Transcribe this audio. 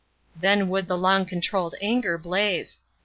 Then would the long controlled anger blaze.